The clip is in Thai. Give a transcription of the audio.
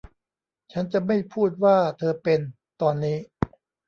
ฉันจะไม่พูดว่าเธอเป็น ตอนนี้